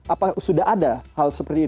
apa sudah ada hal seperti ini